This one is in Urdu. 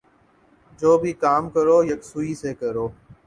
جو بھی کام کرو یکسوئی سے کرو۔